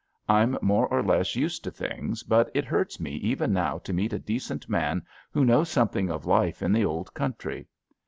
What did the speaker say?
I'm more or less used to things, but it hurts me even now to meet a decent man who knows something of life in the old country.